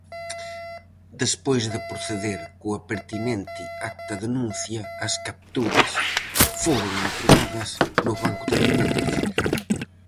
Despois de proceder coa pertinente acta-denuncia, as capturas foron entregadas no banco de alimentos.